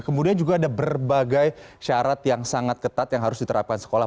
kemudian juga ada berbagai syarat yang sangat ketat yang harus diterapkan sekolah